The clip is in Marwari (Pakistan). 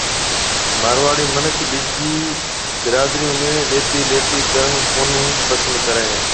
مارواڙِي مِنک ٻيجي برادريون ۾ ڏيتي ليَتي ڪرڻ ڪونِي پسند ڪرَي